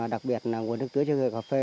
đặc biệt là nguồn nước tưới cho người cà phê